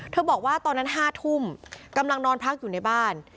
บอกว่าตอนนั้น๕ทุ่มกำลังนอนพักอยู่ในบ้าน